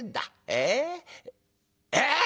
ええ。えっ！？